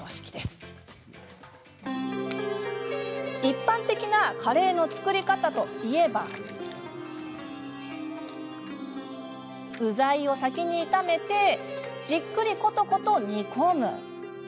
一般的なカレーの作り方といえば具材を先に炒めてじっくりコトコト煮込む。